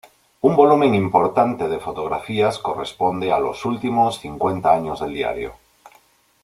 Un volumen importante de fotografías corresponde a los últimos cincuenta años del diario.